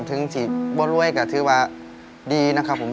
ถึงที่บ่รวยก็ถือว่าดีนะครับผม